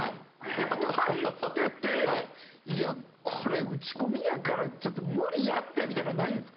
やっぱ叩いてていやこれ打ち込みやからちょっと無理やって！みたいなのはないんですか？